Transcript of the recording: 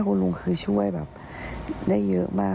คุณลุงคือช่วยแบบได้เยอะมาก